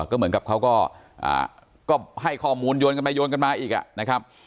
ก็เหมือนกับเขาก็ให้ข้อมูลโยนกันไปโยนกันมาอีกนะครับ